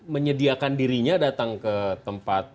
menyediakan dirinya datang ke tempat